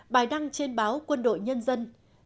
bài đăng trên báo quân đội nhân dân